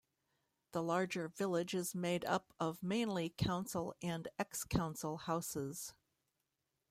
The larger village is made up of mainly council and ex-council houses.